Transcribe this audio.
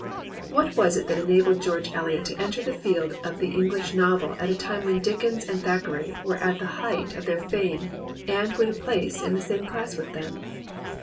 What was it that enabled George EHot to enter the field of the English novel at a time when Dick ens and Thackeray were at the height of their fame, and win a place in the same class with them